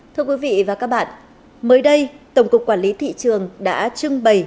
thưa quý vị và các bạn mới đây tổng cục quản lý thị trường đã trưng bày